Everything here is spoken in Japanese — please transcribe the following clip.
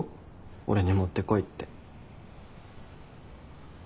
俺に持ってこいって。